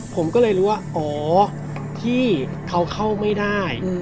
ผมก็เลยรู้ว่าอ๋อพี่เขาเข้าไม่ได้